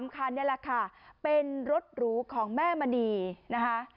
คันนี่แหละค่ะเป็นรถหรูของแม่มณีนะคะ